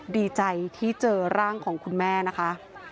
ดีใจที่เจอร่างของคุณแม่นะคะ